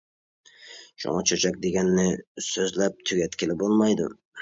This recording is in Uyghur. شۇڭا چۆچەك دېگەننى سۆزلەپ تۈگەتكىلى بولمايدۇ.